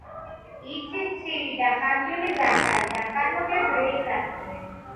იცის ცივი და ხანგრძლივი ზამთარი და ხანმოკლე გრილი ზაფხული.